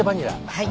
はい。